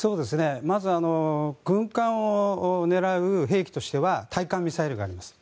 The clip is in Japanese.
まず軍艦を狙う兵器としては対艦ミサイルがあります。